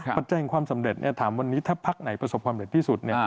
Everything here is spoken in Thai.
มันแจ้งความสำเร็จถามวันนี้ถ้าพักไหนประสบความเร็จที่สุด